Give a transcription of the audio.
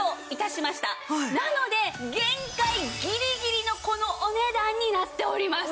なので限界ギリギリのこのお値段になっております。